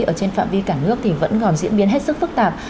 ở trên phạm vi cả nước thì vẫn còn diễn biến hết sức phức tạp